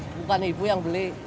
bukan ibu yang beli